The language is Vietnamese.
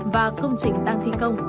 và công trình đang thi công